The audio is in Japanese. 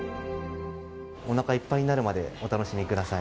おなかいっぱいになるまでお楽しみください。